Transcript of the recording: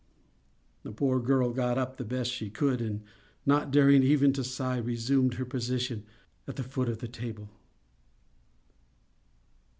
The poor girl got up the best she could, and, not daring even to sigh, resumed her position at the foot of the table.